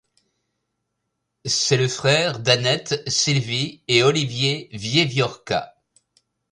C'est le frère d'Annette, Sylvie et Olivier Wieviorka.